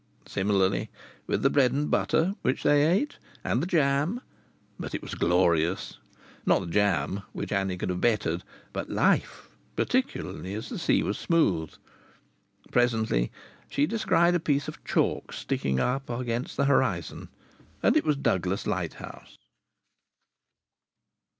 Similarly with the bread and butter which they ate, and the jam! But it was glorious. Not the jam (which Annie could have bettered), but life! Particularly as the sea was smooth! Presently she descried a piece of chalk sticking up against the horizon, and it was Douglas lighthouse.